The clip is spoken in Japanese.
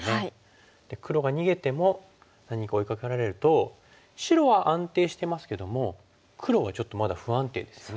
黒が逃げても何か追いかけられると白は安定してますけども黒はちょっとまだ不安定ですよね。